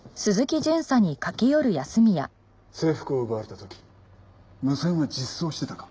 制服を奪われた時無線は実装してたか？